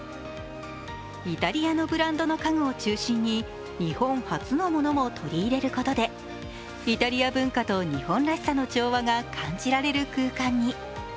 イタリアのブランドの家具を中心に日本初のものも取り入れることでイタリア文化と日本らしさの調和が感じられる空間に。